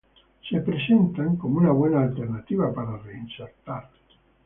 se presentan como una buena alternativa para reinsertar